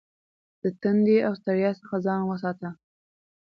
د تندې او ستړیا څخه ځان وساته.